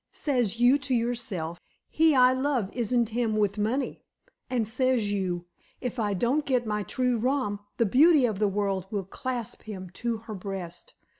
Says you to yourself, 'He I love isn't him with money.' And says you, 'If I don't get my true rom, the beauty of the world will clasp him to her breast.'